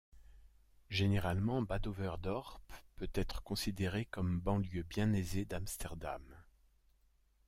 Généralement, Badhoevedorp peut être considérée comme banlieue bien-aisée d'Amsterdam.